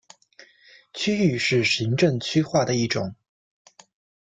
区域是行政区划的一种。